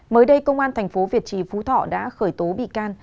mới đây công an tp việt trì phú thọ đã khởi tố bị can